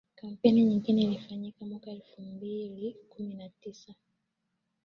kampeini nyingine ilifanyika mwaka elfu mbili kumi na sita